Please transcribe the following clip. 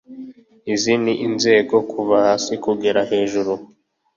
izi ni inzego kuva hasi kugera hejuru